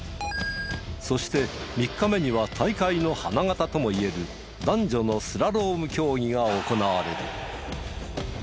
そして３日目には大会の花形ともいえる男女のスラローム競技が行われる。